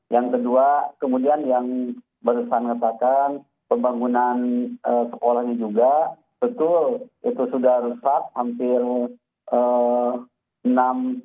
yang kedua kemudian yang barusan katakan pembangunan sekolahnya juga betul itu sudah rusak hampir enam tujuh juta kampung